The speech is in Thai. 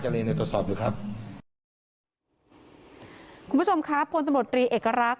จาเลในตรวจสอบอยู่ครับคุณผู้ชมครับะพลทธนโดรตรีเอกรัก